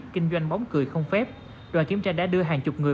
kinh doanh bóng cười không phép đoàn kiểm tra đã đưa hàng chục người